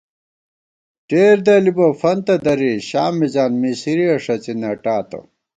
ٹېر دَلِبہ فنتہ درِی شام مِزان مسرِیَہ ݭڅی نَٹاتہ